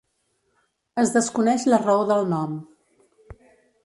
Es desconeix la raó del nom.